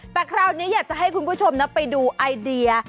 แต่คราวนี้อยากจะให้คุณผู้ชมไปดูไอเดีย